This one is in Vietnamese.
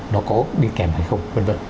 nó có đi kèm hay không